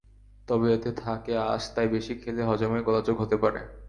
তবে এতে থাকে আঁশ, তাই বেশি খেলে হজমে গোলযোগ হতে পারে।